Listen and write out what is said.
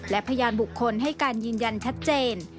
และพยานบุคคลให้การยืนยันชัดเจน